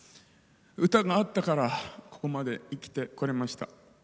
歌があったからここまで生きてこれました。